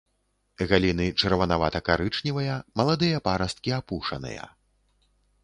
Галіны чырванавата-карычневыя, маладыя парасткі апушаныя.